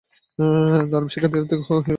দানব শিকারীদের তো হিরো বলে মানা হয়।